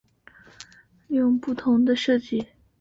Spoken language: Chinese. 通常通用编程语言不含有为特定应用领域设计的结构。